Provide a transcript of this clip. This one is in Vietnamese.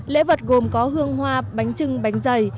lễ vật gồm có hương hoa bánh trưng bánh dày